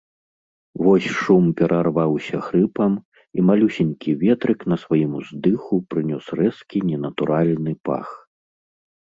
Вось шум перарваўся хрыпам, і малюсенькі ветрык на сваім уздыху прынёс рэзкі ненатуральны пах.